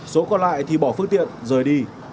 số còn lại thì bỏ phương tiện rời đi